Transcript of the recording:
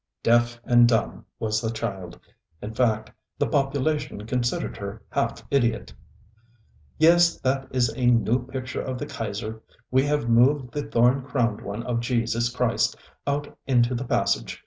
ŌĆØ ŌĆ£... Deaf and dumb was the child; in fact, the population considered her half idiot....ŌĆØ ŌĆ£Yes, that is a new picture of the Kaiser. We have moved the thorn crowned one of Jesus Christ out into the passage.